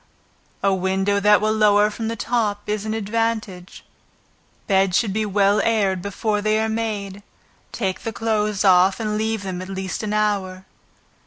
A window that will lower from the top is an advantage. Beds should be well aired before they are made, take the clothes off, and leave them at least an hour.